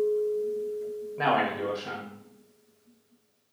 Ne olyan gyorsan!